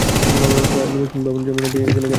Sir, nomination paper না জমা দিয়েই এখানে কেন এসেছেন?